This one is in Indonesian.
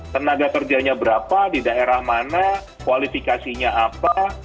tenaga kerjanya berapa di daerah mana kualifikasinya apa